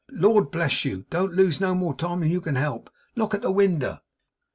Lord bless you, don't lose no more time than you can help knock at the winder!